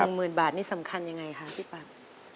หมื่นบาทนี่สำคัญยังไงคะพี่ปัง